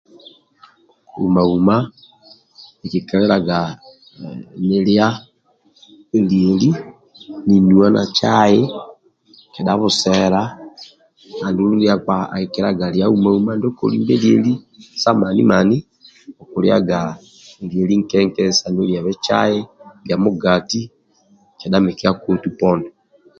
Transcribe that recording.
Uma uma nkikelelaga nilia lieli ninuwa na cai kedha busela andulu ndia nkpa akikelelaga lia uma uma ndio kolimbe lieli sa mani mani okuliaga lieli nke nke sa nueliabe cai kedha mugati kedha mikia akotu poni